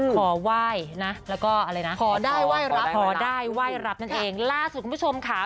ขอไหว่นะแล้วก็อะไรนะขอได้ไหว่รับนั่นเองล่าสุดคุณผู้ชมค่ะ